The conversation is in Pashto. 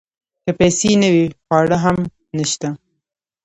که پیسې نه وي خواړه هم نشته .